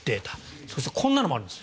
そしてこんなのもあるんですね。